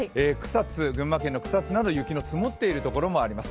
群馬県の草津など雪が積もっている所もあります。